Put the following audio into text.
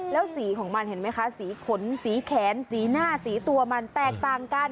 แล้วสีของมันเห็นไหมคะสีขนสีแขนสีหน้าสีตัวมันแตกต่างกัน